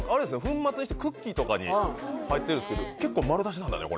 粉末にしてクッキーとかに入ってるんですけど結構丸出しなんだね